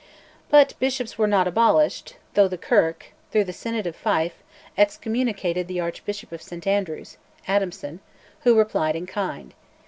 But bishops were not abolished, though the Kirk, through the Synod of Fife, excommunicated the Archbishop of St Andrews, Adamson, who replied in kind.